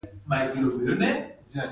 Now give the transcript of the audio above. ګذشت کول پکار دي